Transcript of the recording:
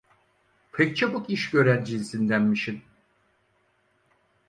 Pek çabuk iş gören cinsindenmişsin!